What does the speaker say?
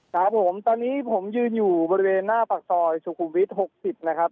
ครับผมตอนนี้ผมยืนอยู่บริเวณหน้าปากซอยสุขุมวิทย์๖๐นะครับ